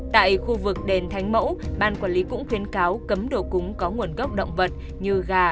tại khu vực đền thánh mẫu ban quản lý cũng khuyến cáo cấm đồ cúng có nguồn gốc động vật như gà